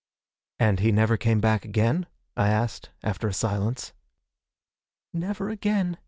'And he never came back again?' I asked, after a silence. 'Never again!'